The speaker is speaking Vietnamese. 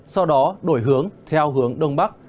sau đó đổi hướng theo hướng đông bắc